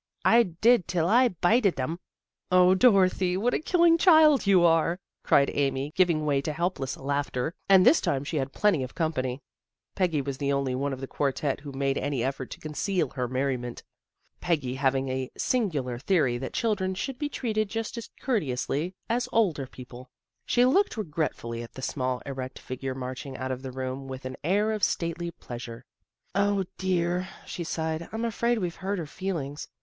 I did till I bited 'em." " 0, Dorothy, what a killing child you are! " cried Amy, giving way to helpless laughter, and this time she had plenty of company. Peggy was the only one of the quartet who made any effort to conceal her merriment, Peggy having a singular theory that children should be treated just as courteously as older THE GIRL NEXT DOOR 29 people. She looked regretfully at the small, erect figure marching out of the room with an air of stately displeasure. " dear! " she sighed. " I'm afraid we've hurt her feelings.